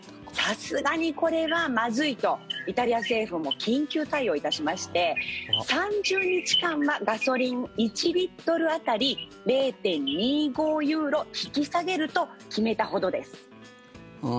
さすがに、これはまずいとイタリア政府も緊急対応いたしまして３０日間はガソリン、１リットル当たり０．２５ユーロ引き下げると決めたほどです。